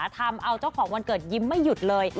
ทำเอาเจ้าของวันเกิดยิ้มไม่หยุดเลย